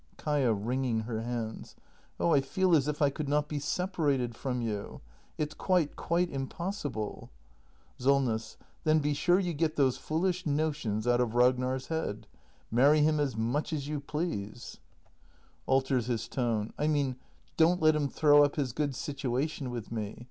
Kaia. [Wringing her hands.] Oh, I feel as if I could not be separated from you! It's quite, quite impossible! Solness. Then be sure you get those foolish notions out of Rag nar's head. Marry him as much as you please — [Alters 262 THE MASTER BUILDER [act i his tone.] I mean — don't let him throw up his good sit uation with me.